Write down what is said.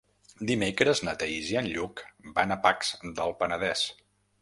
Dimecres na Thaís i en Lluc van a Pacs del Penedès.